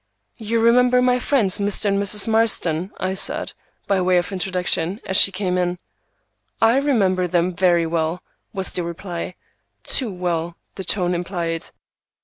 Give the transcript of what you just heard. "You remember my friends, Mr. and Mrs. Marston?" I said, by way of introduction, as she came in. "I remember them very well," was the reply; "too well," the tone implied.